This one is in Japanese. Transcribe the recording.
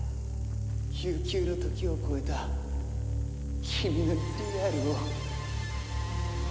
悠久の時を超えた君のリアルを。